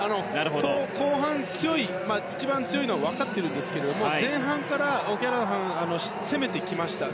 後半に一番強いのは分かっているんですが前半からオキャラハン攻めてきました。